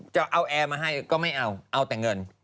จะเอาแอร์มาให้ก็ไม่เอาเอาแต่เงิน